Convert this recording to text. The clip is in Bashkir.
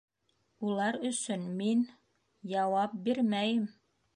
Улар өсөн мин... яуап бирмәйем!